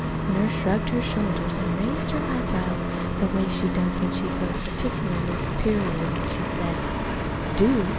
Nurse shrugged her shoulders and raised her eyebrows the way she does when she feels particularly superior. Then she said: "Do?